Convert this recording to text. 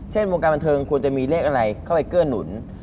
วงการบันเทิงควรจะมีเลขอะไรเข้าไปเกื้อหนุน